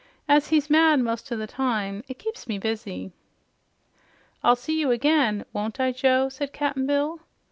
As he's mad most o' the time, it keeps me busy." "I'll see you again, won't I, Joe?" said Cap'n Bill.